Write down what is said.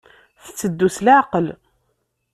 Tetteddu s leɛqel.